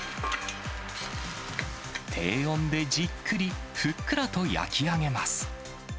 低温でじっくり、ふっくらと焼き上げます。